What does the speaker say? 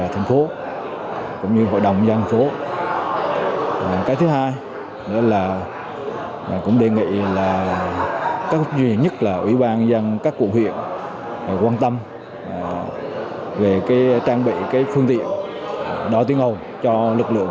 thứ nhất là ủy ban dân các quận huyện quan tâm về trang bị phương tiện đo tiếng ồn cho lực lượng